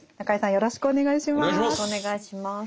よろしくお願いします。